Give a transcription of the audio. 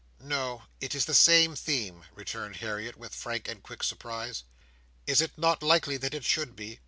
"No, it is the same theme," returned Harriet, with frank and quick surprise. "Is it not likely that it should be?